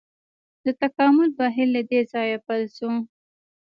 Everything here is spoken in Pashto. د تکامل بهیر له دې ځایه پیل شو.